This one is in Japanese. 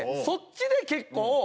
そっちで結構。